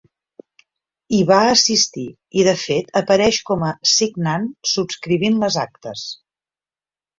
Hi va assistir i de fet apareix com a signant subscrivint les actes.